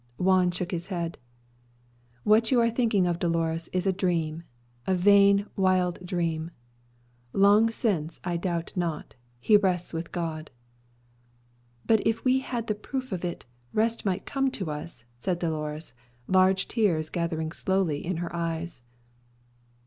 Juan shook his head. "What you are thinking of, Dolores, is a dream a vain, wild dream. Long since, I doubt not, he rests with God." "But if we had the proof of it, rest might come to us," said Dolores, large tears gathering slowly in her eyes.